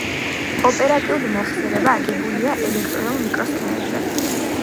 ოპერატიული მეხსიერება აგებულია ელექტრონულ მიკროსქემებზე.